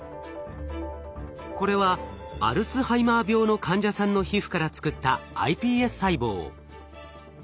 これはアルツハイマー病の患者さんの皮膚から作ったｉＰＳ細胞。